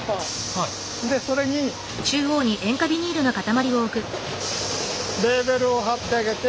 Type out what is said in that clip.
でそれにレーベルを貼ってあげて。